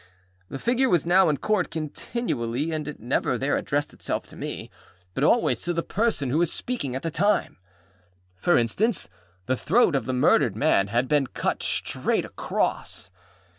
The figure was now in Court continually, and it never there addressed itself to me, but always to the person who was speaking at the time. For instance: the throat of the murdered man had been cut straight across.